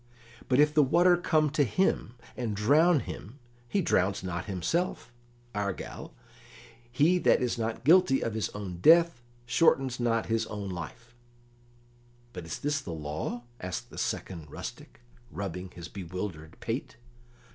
But if the water come to him and drown him, he drowns not himself; argal, he that is not guilty of his own death shortens not his own life." "But is this law?" asked the second rustic, rubbing his bewildered pate.